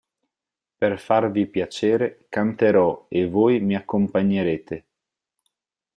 Per farvi piacere, canterò e voi mi accompagnerete.